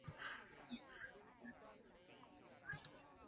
立夏，小滿，雨水相趕